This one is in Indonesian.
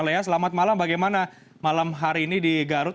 lea selamat malam bagaimana malam hari ini di garut